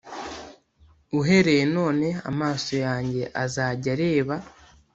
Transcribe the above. Uhereye none amaso yanjye azajya areba .